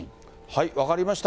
分かりました。